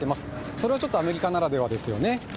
それはちょっとアメリカならではですよね。